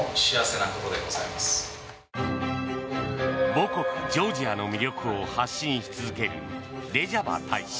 母国ジョージアの魅力を発信し続ける、レジャバ大使。